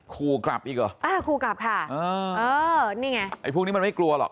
คู่กลับอีกเหรออ่าขู่กลับค่ะเออเออนี่ไงไอ้พวกนี้มันไม่กลัวหรอก